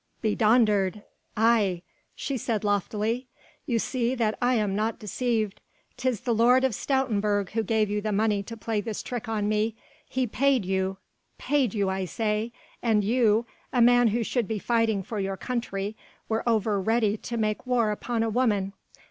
Bedonderd!" "Aye!" she said loftily, "you see that I am not deceived! 'tis the Lord of Stoutenburg who gave you money to play this trick on me. He paid you! paid you, I say, and you, a man who should be fighting for your country, were over ready to make war upon a woman.